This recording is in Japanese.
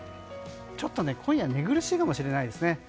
ちょっと今夜寝苦しいかもしれないですね。